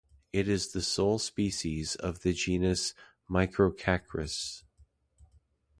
It is the sole species of the genus Microcachrys.